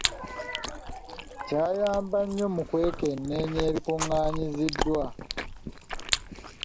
Kino kyayamba nnyo mu kwekenneenya ebikungaanyiziddwa.